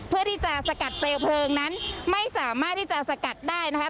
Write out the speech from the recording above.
เพื่อที่จะสกัดเปลวเพลิงนั้นไม่สามารถที่จะสกัดได้นะคะ